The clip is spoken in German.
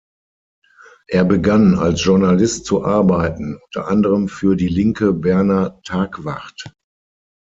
Er begann als Journalist zu arbeiten, unter anderem für die linke "Berner Tagwacht".